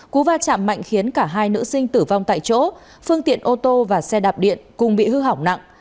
cú va chạm mạnh khiến cả hai nữ sinh tử vong tại chỗ phương tiện ô tô và xe đạp điện cùng bị hư hỏng nặng